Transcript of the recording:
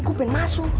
gue pengen masuk